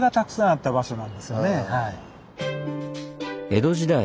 江戸時代